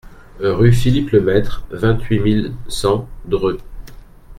Rue Philippe Lemaître, vingt-huit mille cent Dreux